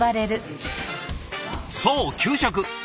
そう給食。